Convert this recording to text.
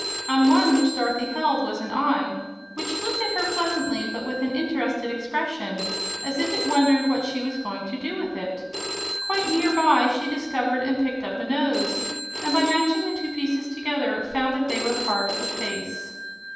On one which Dorothy held was an eye, which looked at her pleasantly but with an interested expression, as if it wondered what she was going to do with it. Quite near by she discovered and picked up a nose, and by matching the two pieces together found that they were part of a face.